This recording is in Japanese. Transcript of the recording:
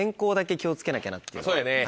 そうやね。